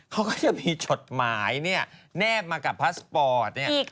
เขาก็จะมีจดหมายเนี่ยแนบมากับพาสปอร์ตเนี่ย